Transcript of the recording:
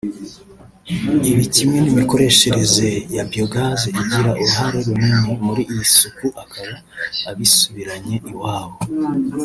Ibi kimwe n’imikoreshereze ya biogaz igira uruhare runini muri iyi suku akaba abisubiranye iwabo